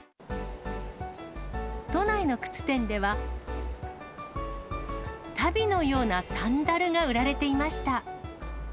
都内の靴店では、足袋のようなサンダルが売られていました。